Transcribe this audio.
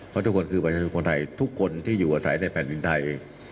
เพราะทุกคนคือประชาชนคนไทยทุกคนที่อยู่อาศัยในแผ่นดินไทย